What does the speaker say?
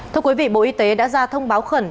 thưa quý vị bộ y tế đã ra thông báo khẩn